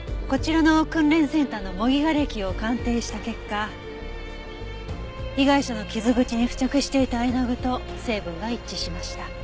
こちらの訓練センターの模擬瓦礫を鑑定した結果被害者の傷口に付着していた絵の具と成分が一致しました。